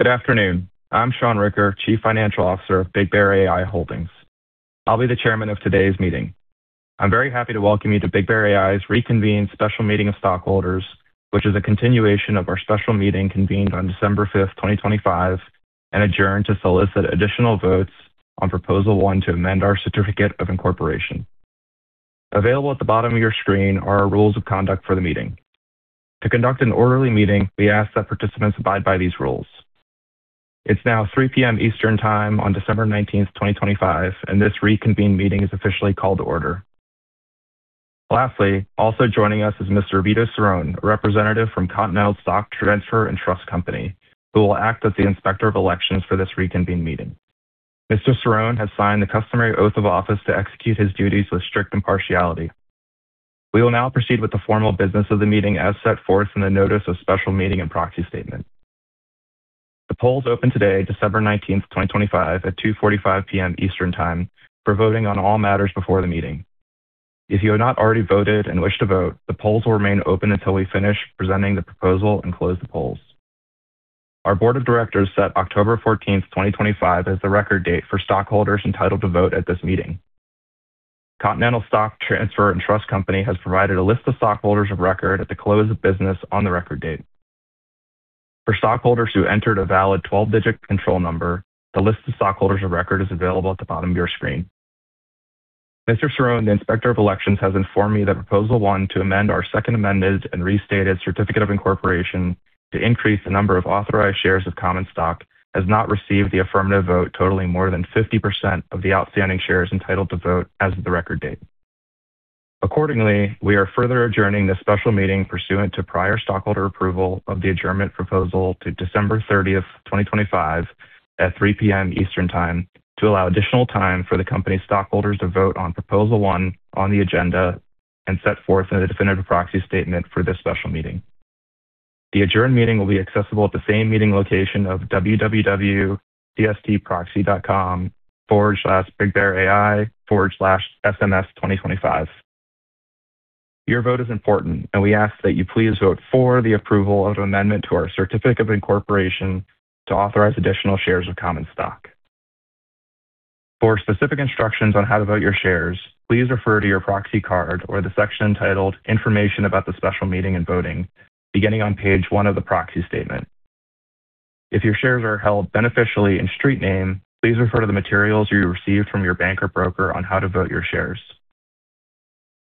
Good afternoon. I'm Sean Ricker, Chief Financial Officer of BigBear.ai Holdings. I'll be the chairman of today's meeting. I'm very happy to welcome you to BigBear.ai's reconvened special meeting of stockholders, which is a continuation of our special meeting convened on December 5th, 2025, and adjourned to solicit additional votes on Proposal 1 to amend our Certificate of Incorporation. Available at the bottom of your screen are our rules of conduct for the meeting. To conduct an orderly meeting, we ask that participants abide by these rules. It's now 3:00 P.M. Eastern Time on December 19, 2025, and this reconvened meeting is officially called to order. Lastly, also joining us is Mr. Vito Cerone, a representative from Continental Stock Transfer and Trust Company, who will act as the inspector of elections for this reconvened meeting. Mr. Cerone has signed the customary oath of office to execute his duties with strict impartiality. We will now proceed with the formal business of the meeting as set forth in the Notice of Special Meeting and Proxy Statement. The polls open today, December 19th, 2025, at 2:45 P.M. Eastern Time, for voting on all matters before the meeting. If you have not already voted and wish to vote, the polls will remain open until we finish presenting the proposal and close the polls. Our Board of Directors set October 14th, 2025, as the record date for stockholders entitled to vote at this meeting. Continental Stock Transfer and Trust Company has provided a list of stockholders of record at the close of business on the record date. For stockholders who entered a valid 12-digit control number, the list of stockholders of record is available at the bottom of your screen. Mr. Cerone, the inspector of elections, has informed me that Proposal 1 to amend our Second Amended and Restated Certificate of Incorporation to increase the number of authorized shares of common stock has not received the affirmative vote totaling more than 50% of the outstanding shares entitled to vote as of the record date. Accordingly, we are further adjourning this special meeting pursuant to prior stockholder approval of the adjournment proposal to December 30th, 2025, at 3:00 P.M. Eastern Time to allow additional time for the company's stockholders to vote on Proposal 1 on the agenda and set forth in the definitive Proxy Statement for this special meeting. The adjourned meeting will be accessible at the same meeting location of www.cstproxy.com/bigbear.ai/SMS2025. Your vote is important, and we ask that you please vote for the approval of amendment to our Certificate of Incorporation to authorize additional shares of common stock. For specific instructions on how to vote your shares, please refer to your proxy card or the section titled Information About the Special Meeting and Voting, beginning on page one of the Proxy Statement. If your shares are held beneficially in Street name, please refer to the materials you received from your bank or broker on how to vote your shares.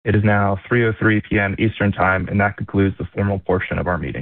It is now 3:03 P.M. Eastern Time, and that concludes the formal portion of our meeting.